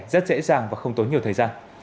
rất dễ dàng và không tốn nhiều thời gian